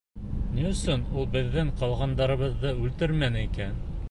— Ни өсөн ул беҙҙең ҡалғандарыбыҙҙы үлтермәне икән?